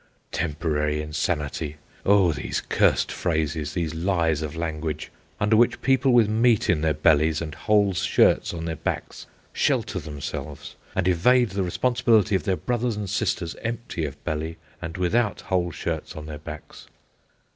Temporary insanity! Oh, these cursed phrases, these lies of language, under which people with meat in their bellies and whole shirts on their backs shelter themselves, and evade the responsibility of their brothers and sisters, empty of belly and without whole shirts on their backs.